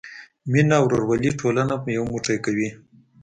مینه او ورورولي ټولنه یو موټی کوي.